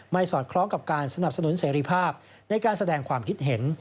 สอดคล้องกับการสนับสนุนเสรีภาพในการแสดงความคิดเห็น